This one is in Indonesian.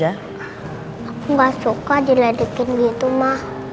aku gak suka diredekin gitu ma